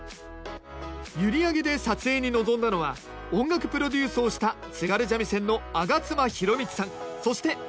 閖上で撮影に臨んだのは音楽プロデュースをした津軽三味線の上妻宏光さんそして浅野祥さん。